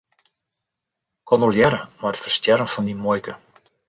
Kondolearre mei it ferstjerren fan dyn muoike.